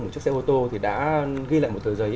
một chiếc xe ô tô thì đã ghi lại một tờ giấy